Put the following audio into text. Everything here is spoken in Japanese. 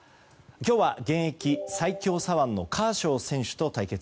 今日は現役最強左腕のカーショー選手と対決。